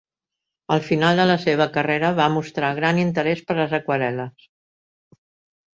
Al final de la seva carrera va mostrar gran interès per les aquarel·les.